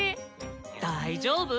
大丈夫？